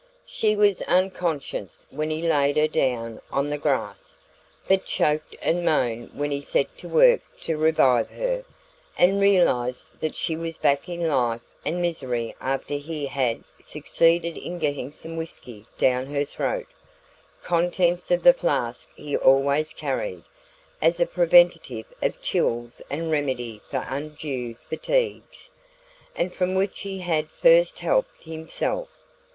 She was unconscious when he laid her down on the grass, but choked and moaned when he set to work to revive her, and realised that she was back in life and misery after he had succeeded in getting some whisky down her throat contents of the flask he always carried, as a preventive of chills and remedy for undue fatigues, and from which he had first helped himself.